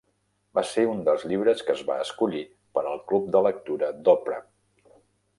Va ser un dels llibres que es va escollir per al Club de lectura d'Oprah.